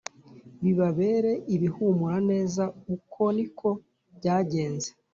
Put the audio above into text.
bibabere ibihumura neza uko ni ko byagenze